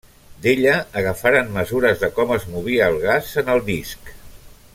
D’ella agafaren mesures de com es movia el gas en el disc.